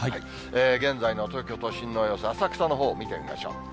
現在の東京都心の様子、浅草のほう、見てみましょう。